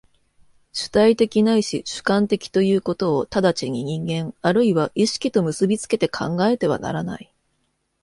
主体的ないし主観的ということを直ちに人間或いは意識と結び付けて考えてはならない。